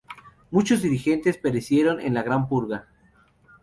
Muchos dirigentes perecieron en la Gran Purga.